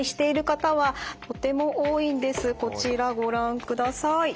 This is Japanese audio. こちらご覧ください。